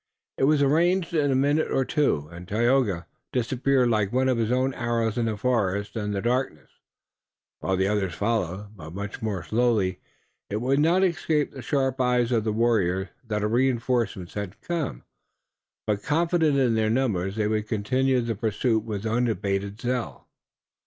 It was arranged in a minute or two and Tayoga disappeared like one of his own arrows in the forest and the darkness, while the others followed, but much more slowly. It would not escape the sharp eyes of the warriors that a reënforcement had come, but, confident in their numbers, they would continue the pursuit with unabated zeal.